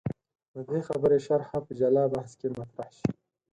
د دې خبرې شرحه په جلا بحث کې مطرح شي.